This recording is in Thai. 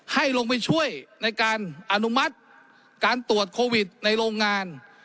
ให้ลงไปช่วยในการอนุมัติการตรวจโควิดในโรงงาน